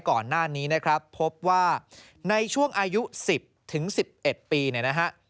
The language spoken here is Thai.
ก่อนหน้านี้นะครับพบว่าในช่วงอายุ๑๐๑๑ปี